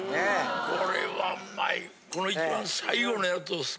これはうまい。